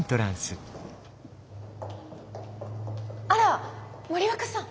あら森若さん。